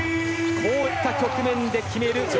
こういった局面で決める女王